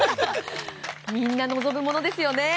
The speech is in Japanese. みんな望むものですよね。